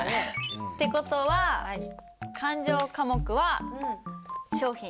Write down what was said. って事は勘定科目は商品。